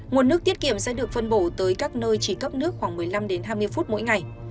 nguồn nước tiết kiệm sẽ được phân bổ tới các nơi chỉ cấp nước khoảng một mươi năm đến hai mươi phút mỗi ngày